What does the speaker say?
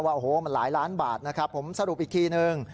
ว่าโอ้โหมันหลายล้านบาทนะครับผมสรุปอีกทีนึง